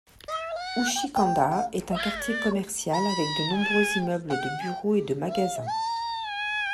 Uchi-Kanda est un quartier commercial avec de nombreux immeubles de bureaux et de magasins.